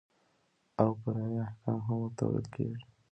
او فرعي احکام هم ورته ويل کېږي.